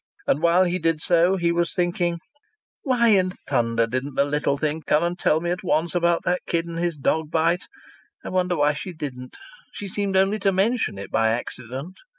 And while he did so he was thinking: "Why in thunder didn't the little thing come and tell me at once about that kid and his dog bite? I wonder why she didn't! She seemed only to mention it by accident.